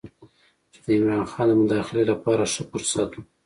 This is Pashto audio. چې د عمرا خان د مداخلې لپاره ښه فرصت و.